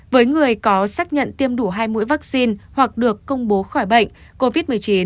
với người có xác nhận tiêm đủ hai mũi vaccine hoặc được công bố khỏi bệnh covid một mươi chín